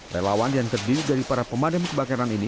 relawan yang terdiri dari para pemadam kebakaran ini